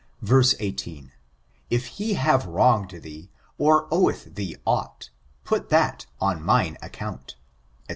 Verse 18: "If he have wronged thee, or oweth thee aught, put that on mine account," &c.